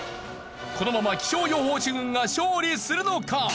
このまま気象予報士軍が勝利するのか？